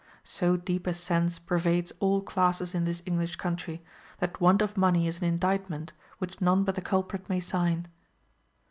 So deep a sense pervades all classes in this English country, that want of money is an indictment, which none but the culprit may sign.